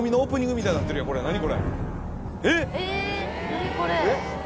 え何これ。